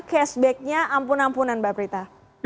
cashbacknya ampun ampunan mbak prita